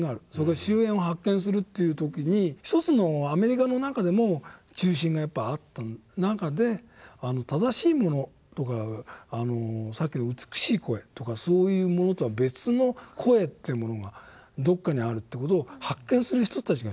周縁を発見するという時に一つのアメリカの中でも中心がやっぱりあった中で正しいものとかさっきの美しい声とかそういうものとは別の声というものがどこかにあるって事を発見する人たちが出現する。